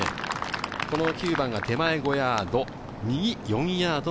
この９番が手前５ヤード。